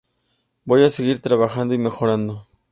Voy a seguir trabajando y mejorando".